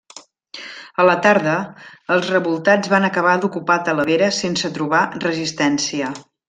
A la tarda, els revoltats van acabar d'ocupar Talavera sense trobar resistència.